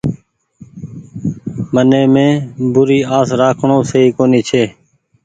من مين بوري آس رآکڻو سئي ڪونيٚ ڇي۔